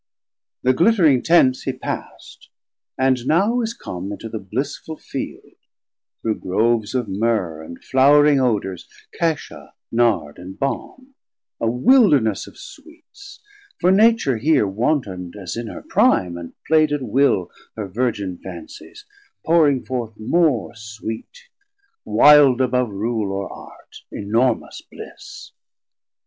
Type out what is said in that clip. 290 Thir glittering Tents he passd, and now is come Into the blissful field, through Groves of Myrrhe, And flouring Odours, Cassia, Nard, and Balme; A Wilderness of sweets; for Nature here Wantond as in her prime, and plaid at will Her Virgin Fancies, pouring forth more sweet, Wilde above rule or art; enormous bliss.